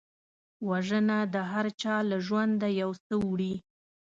وژنه د هرچا له ژونده یو څه وړي